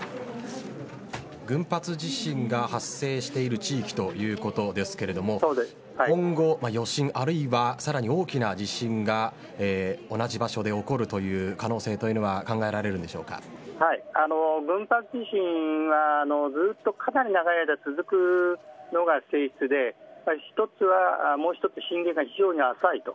群発地震が発生している地域ということですけれども今後、余震あるいは、さらに大きな地震が同じ場所で起こるという可能性というのは群発地震はずっとかなり長い間続くのが性質でもう一つは震源が非常に浅いと。